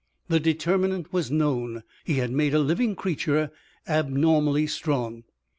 The determinant was known. He had made a living creature abnormally strong.